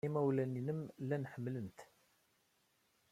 Imawlan-nnem llan ḥemmlen-t.